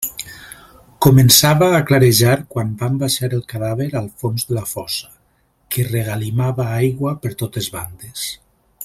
Començava a clarejar quan van baixar el cadàver al fons de la fossa, que regalimava aigua per totes bandes.